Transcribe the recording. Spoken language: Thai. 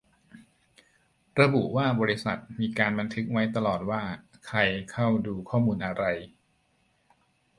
ระบุว่าบริษัทมีการบันทึกไว้ตลอดว่าใครเข้าดูข้อมูลอะไร